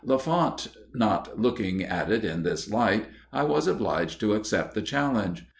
Lafont not looking at it in this light, I was obliged to accept the challenge.